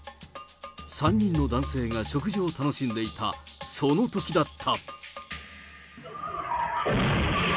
３人の男性が食事を楽しんでいた、そのときだった。